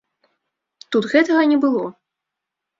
Тут гэтага не было.